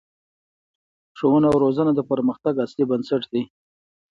ښوونه او روزنه د پرمختګ اصلي بنسټ دی